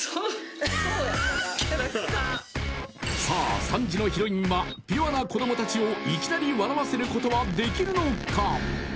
［さあ３時のヒロインはピュアな子供たちをいきなり笑わせることはできるのか？］